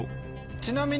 ちなみに。